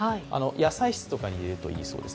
野菜室とかに入れるといいそうです。